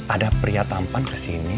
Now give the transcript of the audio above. ada pria tampan kesini